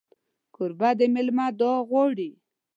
کوربه د مېلمه دعا غواړي.